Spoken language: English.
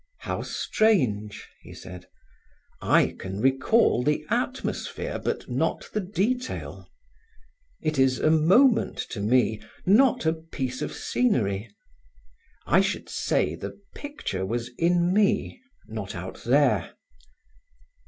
"How strange!" he said. I can recall the atmosphere, but not the detail. It is a moment to me, not a piece of scenery. I should say the picture was in me, not out there."